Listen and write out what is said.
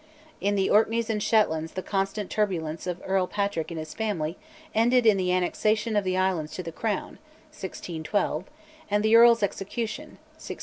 In the Orkneys and Shetlands the constant turbulence of Earl Patrick and his family ended in the annexation of the islands to the Crown (1612), and the Earl's execution (1615).